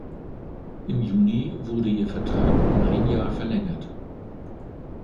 Im Juni wurde ihr Vertrag um ein Jahr verlängert.